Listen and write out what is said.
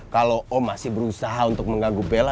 kalau oh masih berusaha untuk mengganggu bella